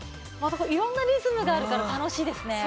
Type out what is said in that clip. いろんなリズムがあるから楽しいですね。